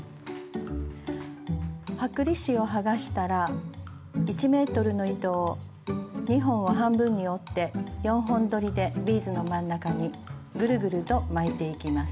剥離紙を剥がしたら１ｍの糸を２本を半分に折って４本どりでビーズの真ん中にぐるぐると巻いていきます。